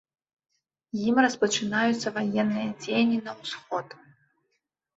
Ім распачынаюцца ваенныя дзеянні на ўсход.